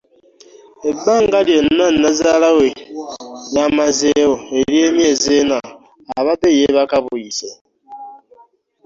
Ebbanga lyonna Nnazaala we lyamazewo ery'emyezi ena abadde yeebaka buyise.